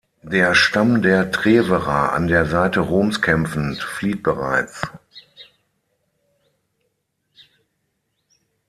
Der Stamm der Treverer, an der Seite Roms kämpfend, flieht bereits.